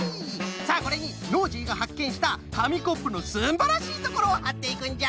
さあこれにノージーがはっけんしたかみコップのすんばらしいところをはっていくんじゃ。